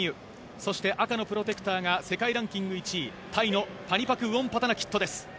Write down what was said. そして、赤のプロテクターが世界ランク１位タイのパニパク・ウオンパタナキットです。